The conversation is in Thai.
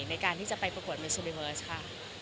ในการที่จะไปประกวดมิวซูมิเวิร์สค่ะ